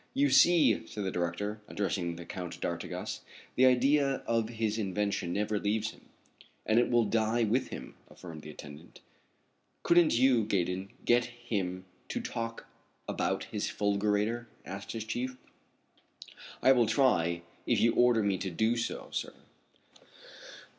"You see," said the director, addressing the Count d'Artigas. "The idea of his invention never leaves him." "And it will die with him," affirmed the attendant. "Couldn't you, Gaydon, get him to talk about his fulgurator?" asked his chief. "I will try, if you order me to do so, sir."